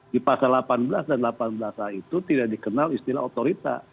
di pasal delapan belas dan delapan belas a itu tidak dikenal istilah otorita